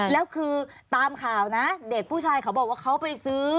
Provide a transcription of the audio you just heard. แล้วคือตามข่าวนะเด็กผู้ชายเขาบอกว่าเขาไปซื้อ